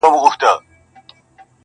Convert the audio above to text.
o د باز له ځالي باز پاڅېږي.